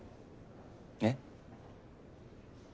えっ？